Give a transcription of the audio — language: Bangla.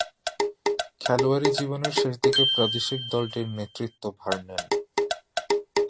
খেলোয়াড়ী জীবনের শেষদিকে প্রাদেশিক দলটির নেতৃত্ব ভার নেন।